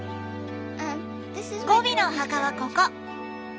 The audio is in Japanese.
ゴビのお墓はここ！